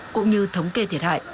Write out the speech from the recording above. cũng như thống kê thiệt hại